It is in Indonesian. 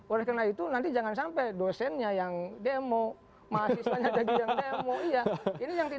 oleh karena itu nanti jangan sampai dosennya yang demo mahasiswanya jadi yang demo iya